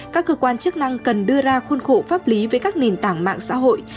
các cơ quan chức năng cần đưa ra khuôn khổ pháp lý với các nền tảng mạng xã hội